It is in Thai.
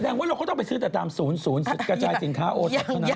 แสดงว่าเราต้องไปซื้อแต่ตามศูนย์กระจายสินค้าโอท็อปเท่านั้นใช่ไหม